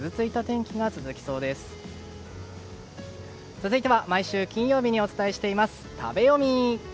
続いては毎週金曜日にお伝えしています、食べヨミ。